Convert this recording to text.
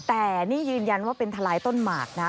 แต่นี่ยืนยันว่าเป็นทะลายต้นหมากนะ